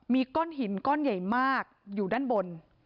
มีก้อนหินก้อนใหญ่มากอยู่ด้านบน